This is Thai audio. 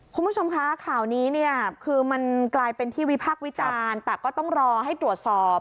คุณผู้ชมคะข่าวนี้เนี่ยคือมันกลายเป็นที่วิพากษ์วิจารณ์แต่ก็ต้องรอให้ตรวจสอบ